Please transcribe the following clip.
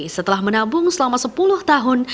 setelah menabung selama sepuluh tahun